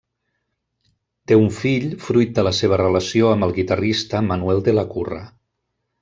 Té un fill fruit de la seva relació amb el guitarrista Manuel de la Curra.